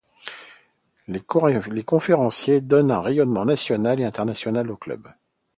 Les conférenciers donnent un rayonnement national et international au Club.